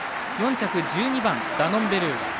４着、１２番ダノンベルーガ。